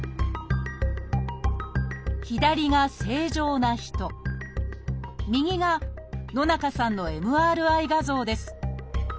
左が正常な人右が野中さんのＭＲＩ画像です。